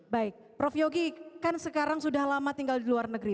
baik prof yogi kan sekarang sudah lama tinggal di luar negeri